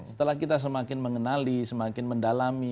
setelah kita semakin mengenali semakin mendalami